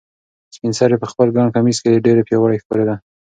سپین سرې په خپل ګڼ کمیس کې ډېره پیاوړې ښکارېده.